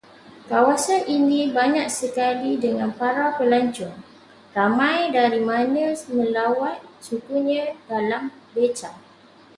Kawasan ini banyak sekali dengan para pelancong, ramai dari mana melawat sukunya dalam beca